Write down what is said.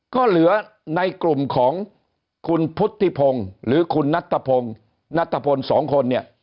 ก็เหลือในกลุ่มของคุณพุทธิพงศ์หรือคุณนัทพลนัทพล๒คน